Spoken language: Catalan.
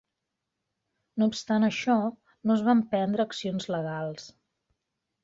No obstant això, no es van prendre accions legals.